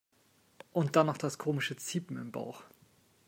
Und dann noch das komische Ziepen im Bauch.